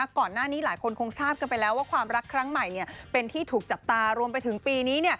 ก่อนหน้านี้หลายคนคงทราบกันไปแล้วว่าความรักครั้งใหม่เป็นที่ถูกจับตารวมไปถึงปีนี้